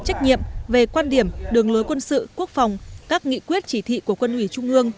trách nhiệm về quan điểm đường lối quân sự quốc phòng các nghị quyết chỉ thị của quân ủy trung ương